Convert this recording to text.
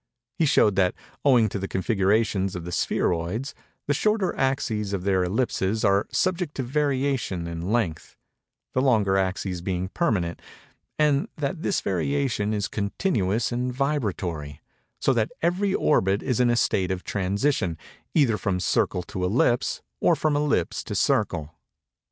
He showed that, owing to the configurations of the spheroids, the shorter axes of their ellipses are subject to variation in length; the longer axes being permanent; and that this variation is continuous and vibratory—so that every orbit is in a state of transition, either from circle to ellipse, or from ellipse to circle.